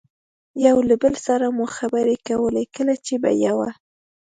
یو له بل سره مو خبرې کولې، کله چې به یوه.